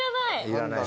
いらない。